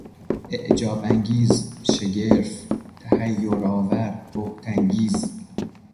اعجابانگیز، شگرف، تحیرآور، بهتانگیز